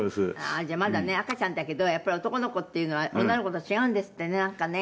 「じゃあまだね赤ちゃんだけどやっぱり男の子っていうのは女の子と違うんですってねなんかね」